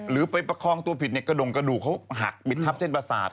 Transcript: หรือไปประคองตัวผิดเนี่ยกระดงกระดูกเขาหักปิดทับเส้นประสาท